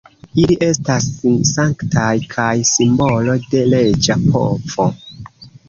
Ili estas sanktaj kaj simbolo de reĝa povo.